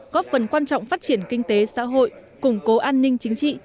góp phần quan trọng phát triển kinh tế xã hội củng cố an ninh chính trị